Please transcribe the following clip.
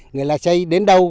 người là xây đến đâu